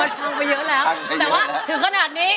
ฟังไปเยอะแล้วแต่ว่าถึงขนาดนี้